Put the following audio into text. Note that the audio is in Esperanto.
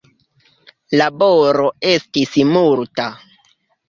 Laboro estis multa.